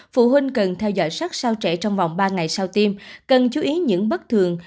phụ huynh cần theo dõi sát sao trẻ trong vòng ba ngày sau tiêm cần chú ý những bất thường